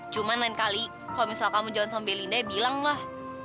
cuma lain kali kalau misalnya kamu jalan sama belinda ya bilang lah